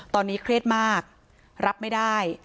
ตอนนี้เครียดมากรับไม่ได้